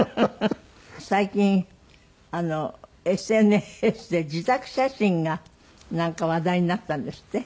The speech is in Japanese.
最近ＳＮＳで自宅写真がなんか話題になったんですって？